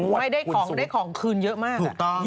ไม่ได้ของคืนเยอะมาก